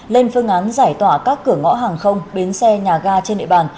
lên phương án giải tỏa các cửa ngõ hàng không bến xe nhà ga trên địa bàn